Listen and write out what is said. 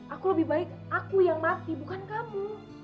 aku lebih baik aku yang mati bukan kamu